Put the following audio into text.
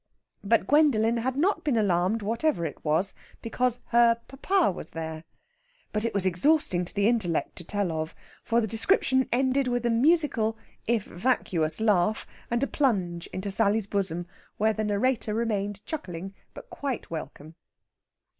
But Gwendolen had not been alarmed whatever it was, because her "puppar" was there. But it was exhausting to the intellect to tell of, for the description ended with a musical, if vacuous, laugh, and a plunge into Sally's bosom, where the narrator remained chuckling, but quite welcome.